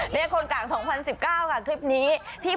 เพราะว่าคลิปนี้